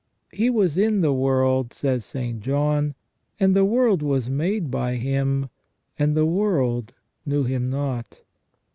" He was in the world," says St. John, " and the world was made by Him, and the world knew Him not."